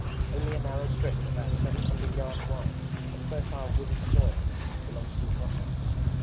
Only a narrow strip about seven hundred yards wide of fertile wooded soil belongs to the Cossacks.